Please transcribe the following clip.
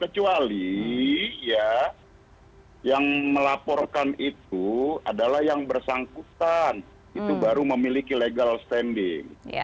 jadi ya yang melaporkan itu adalah yang bersangkutan itu baru memiliki legal standing